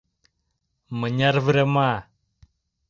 — Мыняр врема?